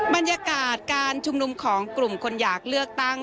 บรรยากาศการชุมนุมของกลุ่มคนอยากเลือกตั้ง